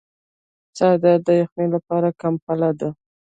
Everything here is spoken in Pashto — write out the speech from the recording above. څادر د یخنۍ لپاره کمپله ده.